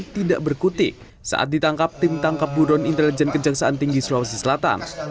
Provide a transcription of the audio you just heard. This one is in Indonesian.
tidak berkutik saat ditangkap tim tangkap buron intelijen kejaksaan tinggi sulawesi selatan